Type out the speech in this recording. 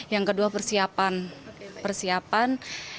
yang kedua persiapan persiapan